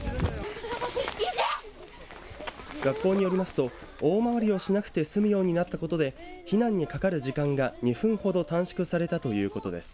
学校によりますと大周りをしなくて済むようになったことで避難にかかる時間が２分ほど短縮されたということです。